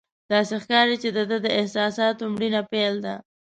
داسې ښکاري چې د ده د احساساتو مړینه پیل ده.